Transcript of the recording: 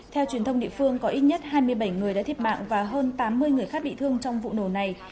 theo truyền thông địa phương có ít nhất hai mươi bảy người đã thiệt mạng và hơn tám mươi người khác bị thương trong vụ nổ này